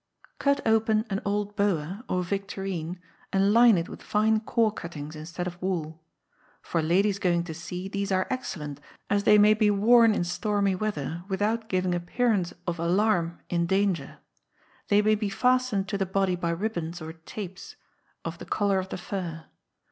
Cut open an old boa, or victorine, and line it with fine cork cuttings instead of wool. For ladies going to sea these are excellent, as they may be worn in stormy weather, without giving appearance of alarm in danger. They may be fastened to the body by ribands or tapes, of the colour of the fur.